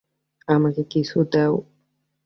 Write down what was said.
আমাকে কিছু দাও।